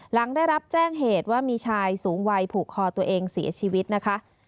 หลังได้รับแจ้งเหตุว่ามีชายสูงวัยผูกคอตัวเองเสียชีวิตนะคะ